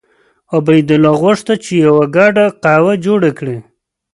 عبیدالله غوښتل چې یوه ګډه قوه جوړه کړي.